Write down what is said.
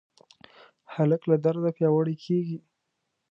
هلک له درده پیاوړی کېږي.